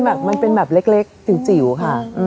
แบบมันเป็นแบบเล็กจิ๋วค่ะ